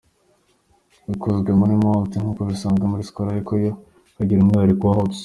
ikozwe muri Malt nk’uko bisanzwe muri Skol ariko yo ikagira umwihariko wa Hops,